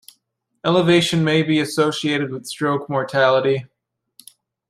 Elevation may be associated with stroke mortality.